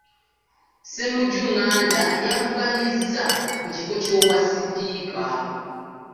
Ssemujju Nganda y'avuganyizza ku kifo ky'obwasipiika.